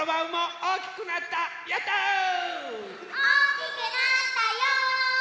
おおきくなったよ！